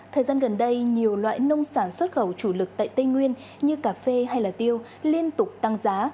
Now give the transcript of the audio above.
thời gian gần đây nhiều loại nông sản xuất khẩu chủ lực tại tây nguyên như cà phê hay tiêu liên tục tăng giá